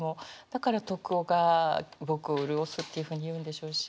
だから「徳が僕を霑す」っていうふうに言うんでしょうし。